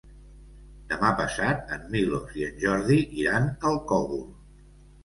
Demà passat en Milos i en Jordi iran al Cogul.